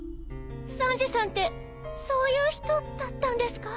サンジさんってそういう人だったんですか？